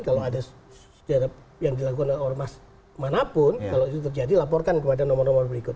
kalau ada yang dilakukan oleh orang emas kemana pun kalau itu terjadi laporkan kepada nomor nomor berikut